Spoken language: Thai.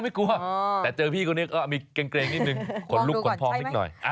ไม่กลัวแต่เจอพี่คนนี้ก็มีเกรงนิดนึงขนลุกขนพองนิดหน่อย